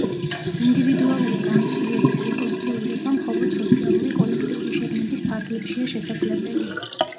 ინდივიდუალური გამოცდილების რეკონსტრუირება მხოლოდ სოციალური კოლექტიური შეგნების ფარგლებშია შესაძლებელი.